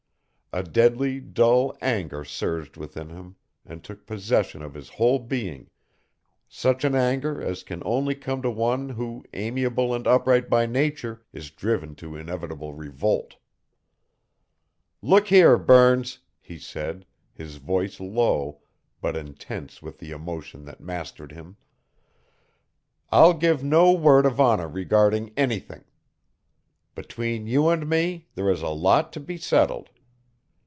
A deadly, dull anger surged within him and took possession of his whole being such an anger as can only come to one who, amiable and upright by nature, is driven to inevitable revolt. "Look here, Burns," he said, his voice low, but intense with the emotion that mastered him, "I'll give no word of honor regarding anything. Between you and me there is a lot to be settled.